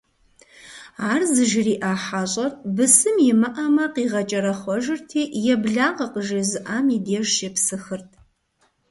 Ар зыжриӀа хьэщӀэр, бысым имыӀэмэ, къигъэкӀэрэхъуэжырти, еблагъэ къыжезыӀам и деж щепсыхырт.